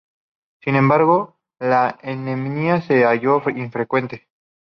Sin embargo, la anemia es un hallazgo infrecuente.